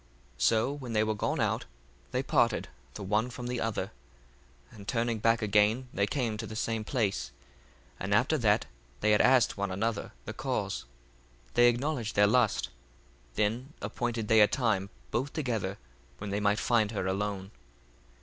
1:14 So when they were gone out, they parted the one from the other, and turning back again they came to the same place; and after that they had asked one another the cause, they acknowledged their lust: then appointed they a time both together, when they might find her alone.